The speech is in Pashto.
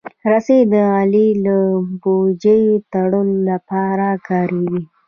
رسۍ د غلې له بوجۍ تړلو لپاره کارېږي.